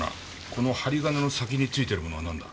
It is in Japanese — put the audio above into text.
この針金の先に付いてるものはなんだ？